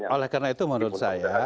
oleh karena itu menurut saya